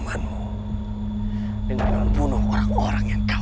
kamu dari date selesainya aja